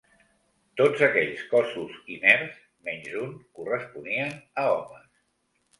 Tots aquells cossos inerts, menys un, corresponien a homes.